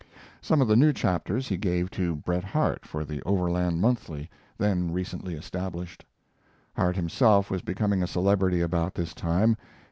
Some of the new chapters he gave to Bret Harte for the Overland Monthly, then recently established. Harte himself was becoming a celebrity about this time.